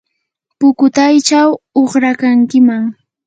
pukutaychaw uqrakankiman.